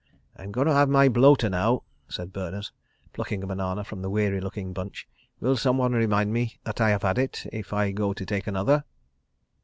"I'm going to have my bloater now," said Berners, plucking a banana from the weary looking bunch. "Will someone remind me that I have had it, if I go to take another?"